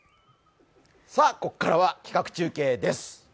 ここからは企画中継です。